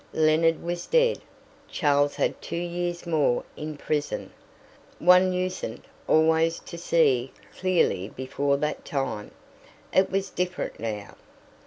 Leonard was dead; Charles had two years more in prison. One usen't always to see clearly before that time. It was different now.